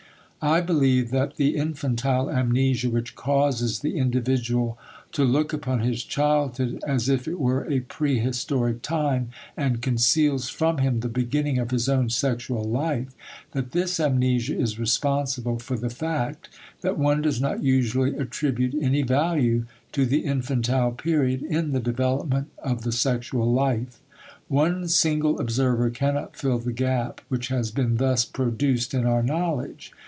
I believe that the infantile amnesia which causes the individual to look upon his childhood as if it were a prehistoric time and conceals from him the beginning of his own sexual life that this amnesia is responsible for the fact that one does not usually attribute any value to the infantile period in the development of the sexual life. One single observer cannot fill the gap which has been thus produced in our knowledge.